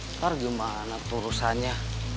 ntar gimana terusannya